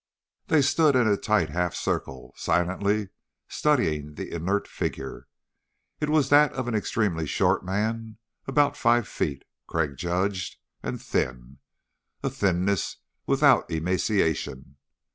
They stood in a tight half circle, silently studying the inert figure. It was that of an extremely short man, about five feet, Crag judged, and thin. A thinness without emaciation.